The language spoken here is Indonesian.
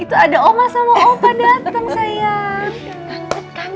itu ada oma sama opa dateng sayang